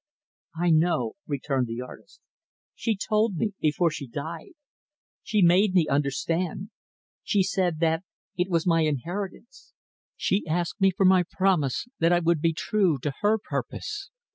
"I know," returned the artist. "She told me before she died. She made me understand. She said that it was my inheritance. She asked for my promise that I would be true to her purpose.